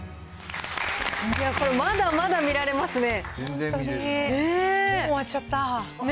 これ、まだまだ見られますね。